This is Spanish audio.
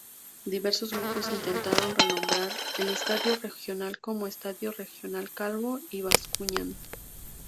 Diversos grupos intentaron renombrar el Estadio Regional como Estadio Regional Calvo y Bascuñán.